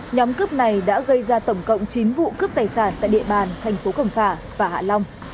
nhóm cướp này đã gây ra tổng cộng chín vụ cướp tài sản tại địa bàn thành phố cẩm phả và hạ long